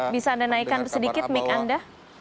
bisa anda naikkan sedikit mik anda